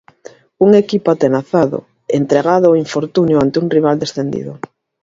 Un equipo atenazado, entregado ao infortunio ante un rival descendido.